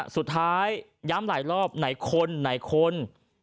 สุดท้ายย้ำหลายรอบไหนคนไหนคน